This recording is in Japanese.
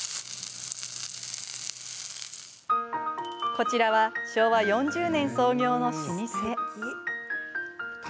こちらは、昭和４０年創業の老舗。